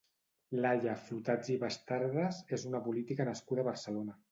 Laia Flotats i Bastardas és una política nascuda a Barcelona.